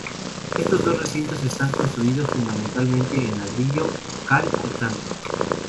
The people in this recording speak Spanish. Estos dos recintos están construidos fundamentalmente en ladrillo cal y canto.